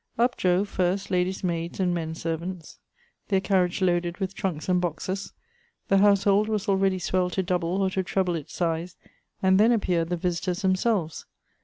Up di ove, first, lady's maids and men servants, their carriage loaded with trunks and boxes. The household was already swelled to double or to treble its size, and then appeared the visitors themselves.